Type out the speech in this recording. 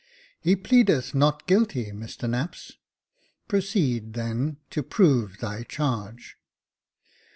" He pleadeth not guilty, Mr Knapps j proceed, then, to prove thy charge."